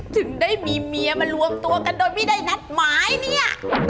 ถึงได้มีเมียมารวมตัวกันโดยไม่ได้นัดหมายเนี่ย